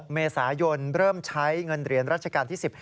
เมษายนเริ่มใช้เงินเหรียญราชการที่๑๐